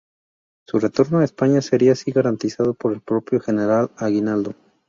Su retorno a España sería así garantizado por el propio General Aguinaldo.